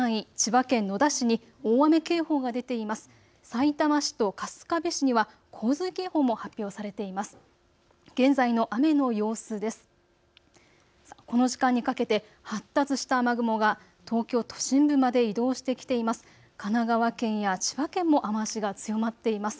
さいたま市と春日部市には洪水警報も発表されています。